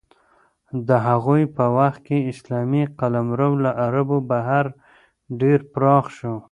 د هغوی په وخت کې اسلامي قلمرو له عربو بهر ډېر پراخ شو.